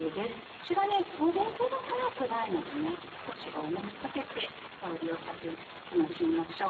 こちらそれほど辛くないので少し多めにかけて香りを楽しみましょう。